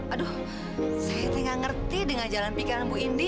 aduh saya nggak ngerti dengan jalan pikiran bu indi